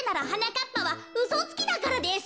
かっぱはうそつきだからです。